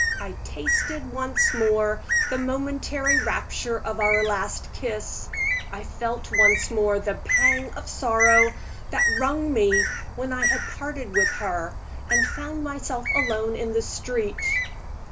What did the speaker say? I tasted once more the momentary rapture of our last kiss; I felt once more the pang of sorrow that wrung me when I had parted with her and found myself alone in the street.